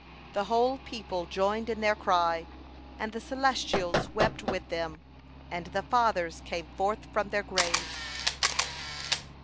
The whole people joined in their cry, and the celestials wept with them, and the Fathers came forth from their graves.